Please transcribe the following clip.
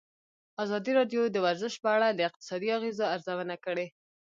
ازادي راډیو د ورزش په اړه د اقتصادي اغېزو ارزونه کړې.